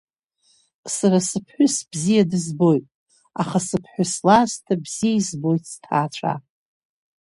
Сара сыԥҳәыс бзиа дызбоит, аха сыԥҳәыс лаасҭа бзиа избоит сҭаацәа…